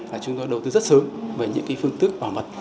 là chúng tôi đầu tư rất sớm về những cái phương tức bảo mật